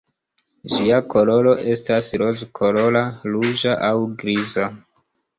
Ĝia koloro estas rozkolora, ruĝa aŭ griza.